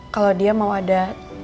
kalau dia mau ada